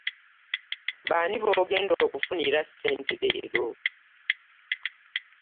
Baani bogenda okufunira ssente leero?